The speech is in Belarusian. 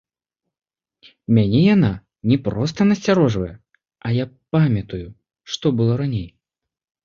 Мяне яна не проста насцярожвае, а я памятаю, што было раней.